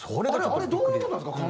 あれどういう事なんですか？